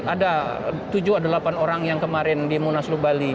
ada tujuh delapan orang yang kemarin di munasloh bali